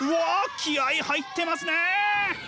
気合い入ってますね！